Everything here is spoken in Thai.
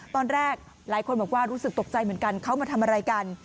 ตอนแรกหลายคนบอกว่ารู้สึกตกใจเหมือนกันเขามาทำอะไรกัน